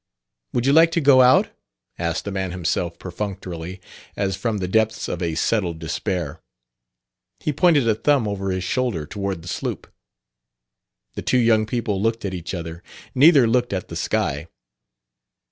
"Would you like to go out?" asked the man himself perfunctorily, as from the depths of a settled despair. He pointed a thumb over his shoulder toward the sloop. The two young people looked at each other. Neither looked at the sky.